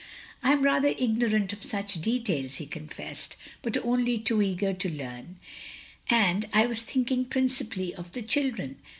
"I am rather ignorant of such details," he confessed, "but only too eager to leam. And I was thinking principally of the children.